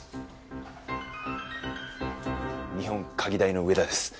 日本科技大の上田です。